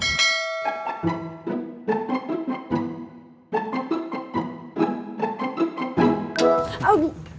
iya disini suka berantem